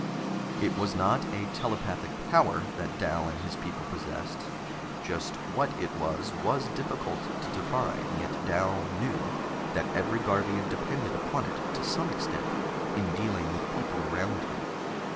It was not a telepathic power that Dal and his people possessed. Just what it was, was difficult to define, yet Dal knew that every Garvian depended upon it to some extent in dealing with people around him.